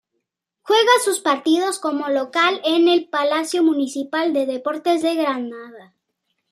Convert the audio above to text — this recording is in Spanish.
Juega sus partidos como local en el Palacio Municipal de Deportes de Granada.